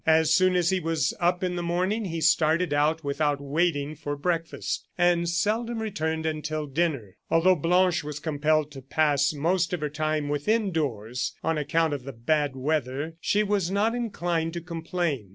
As soon as he was up in the morning he started out without waiting for breakfast, and seldom returned until dinner. Although Blanche was compelled to pass most of her time within doors, on account of the bad weather, she was not inclined to complain.